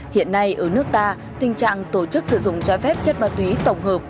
hiện nay ở nước ta tình trạng tổ chức sử dụng trái phép chất ma túy tổng hợp